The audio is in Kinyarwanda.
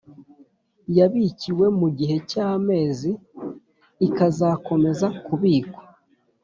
Yabikiwe mu gihe cy amezi ikazakomeza kubikwa